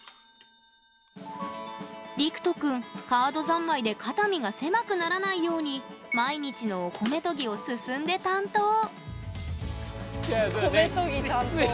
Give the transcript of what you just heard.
りくとくんカード三昧で肩身が狭くならないように毎日のお米とぎを進んで担当米とぎ担当。